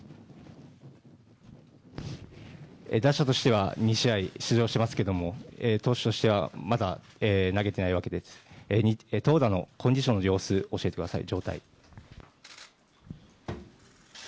打者としては２試合出場していますが投手としてはまだ投げていないわけで投打のコンディションの状態を教えてください。